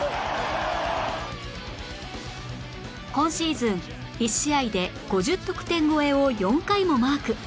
今シーズン１試合で５０得点超えを４回もマーク